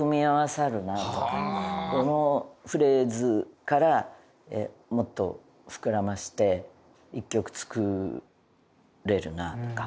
このフレーズからもっと膨らませて１曲作れるなとか。